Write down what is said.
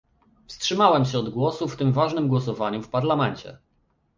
Wstrzymałem się od głosu w tym ważnym głosowaniu w Parlamencie